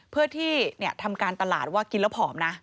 เพื่อที่ทำการตลาดว่ากินแล้วผอมนะ